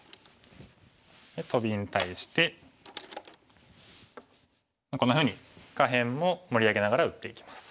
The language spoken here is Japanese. トビに対してこんなふうに下辺も盛り上げながら打っていきます。